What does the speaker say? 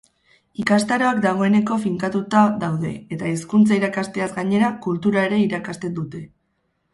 Ikastaroak dagoeneko finkatuta daude eta hizkuntza irakasteaz gainera, kultura ere irakasten dute.